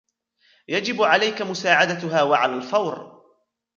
يجب عليك مساعدتها و على الفور.